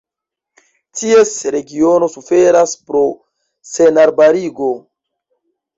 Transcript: Ties regiono suferas pro senarbarigo.